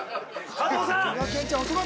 加藤さんっ！